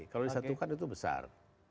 kalau disatukan itu besar